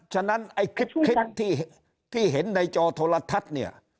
ฉะนั้นคลิปที่เห็นในจอโทรทัศน์